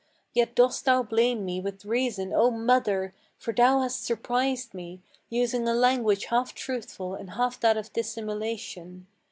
Yet dost thou blame me with reason, O mother! for thou hast surprised me Using a language half truthful and half that of dissimulation.